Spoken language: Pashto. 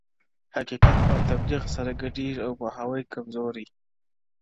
حقيقت او تبليغ سره ګډېږي او پوهاوی کمزوری,